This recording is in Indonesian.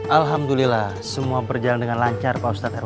alhamdulillah semua berjalan dengan lancar pak ustadz